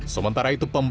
sementara itu pemberantasan